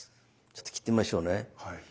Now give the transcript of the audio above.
ちょっと切ってみましょうね。